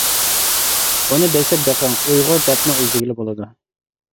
بۇنى بېسىپ بېقىڭ ئۇيغۇر دەپمۇ ئىزدىگىلى بولدى.